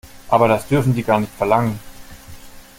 Aber das dürfen die gar nicht verlangen.